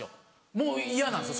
もう嫌なんですよ